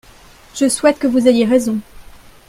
Je souhaite que vous ayez raison.